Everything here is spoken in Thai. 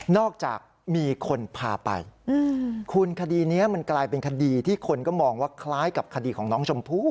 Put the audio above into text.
จากมีคนพาไปคุณคดีนี้มันกลายเป็นคดีที่คนก็มองว่าคล้ายกับคดีของน้องชมพู่